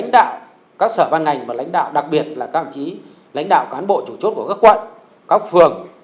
đặc biệt là các đồng chí lãnh đạo cán bộ chủ chốt của các quận các phường